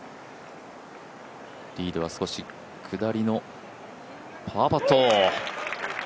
リードは少し下りのパーパット。